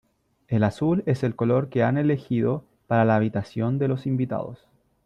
El azul es el color que han elegido para la habitación de los invitados.